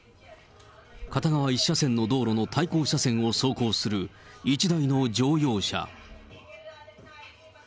片側１車線の道路の対向車線を走行する１台の乗用車。